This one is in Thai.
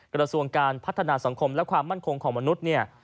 กระทรวงการพัฒนาสังคมและความมั่นคงของมนุษย์เนี่ย